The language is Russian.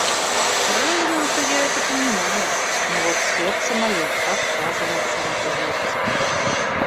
Разумом-то я это понимаю, но вот сердце моё отказывается в это верить.